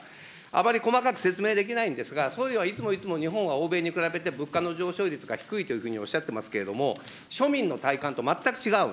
あまり細かく説明できないんですが、総理はいつもいつも日本は欧米に比べて物価の上昇率が低いというふうにおっしゃってますけれども、庶民の体感と全く違う。